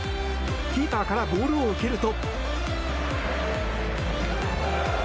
キーパーからボールを受けると。